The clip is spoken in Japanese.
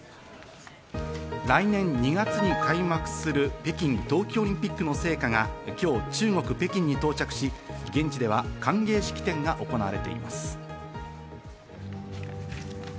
来年２月に開幕する北京冬季オリンピックの聖火が今日、中国・北京に到着し、現地では歓迎式典が行われています。